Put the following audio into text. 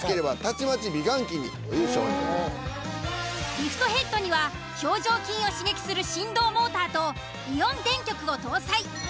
リフトヘッドには表情筋を刺激する振動モーターとイオン電極を搭載。